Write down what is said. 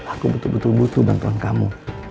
aku butuh butuh butuh bantuan kamu